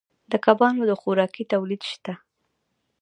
د کبانو د خوراکې تولید شته